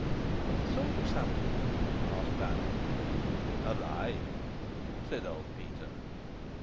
"What sort of a something?" asked Vanya. "Alive," said old Peter.